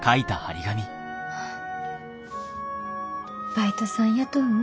バイトさん雇うん？